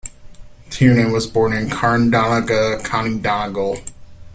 Tiernan was born in Carndonagh, County Donegal.